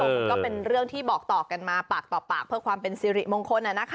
มันก็เป็นเรื่องที่บอกต่อกันมาปากต่อปากเพื่อความเป็นสิริมงคล